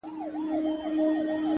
o ما په اول ځل هم چنداني گټه ونه کړه؛